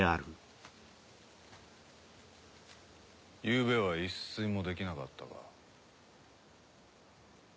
昨夜は一睡もできなかったか。